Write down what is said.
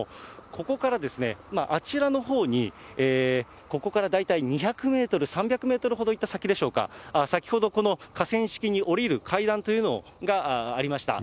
ここからあちらのほうに、ここから大体２００メートル、３００メートルほど行った先でしょうか、先ほどこの河川敷に下りる階段というのがありました。